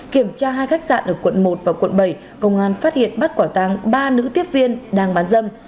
kiểm tra hai khách sạn ở quận một và quận bảy công an phát hiện bắt quả tàng ba nữ tiếp viên đang bán dâm